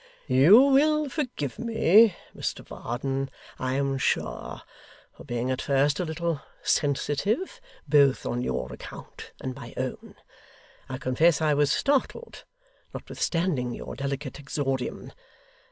'You will forgive me, Mr Varden, I am sure, for being at first a little sensitive both on your account and my own. I confess I was startled, notwithstanding your delicate exordium.